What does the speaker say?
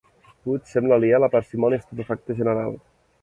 Puig sembla aliè a la parsimònia estupefacta general.